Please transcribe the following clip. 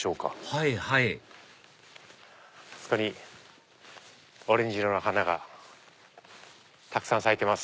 はいはいあそこにオレンジ色の花がたくさん咲いてます。